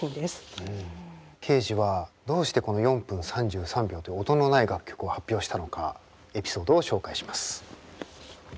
ケージはどうしてこの「４分３３秒」という音のない楽曲を発表したのかエピソードを紹介します。